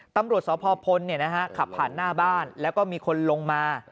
ตำรวจสพพลขับผ่านหน้าบ้านแล้วก็มีคนลงมา